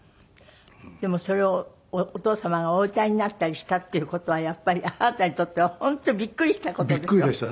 でもそれをお父様がお歌いになったりしたっていう事はやっぱりあなたにとっては本当にびっくりした事でしょ？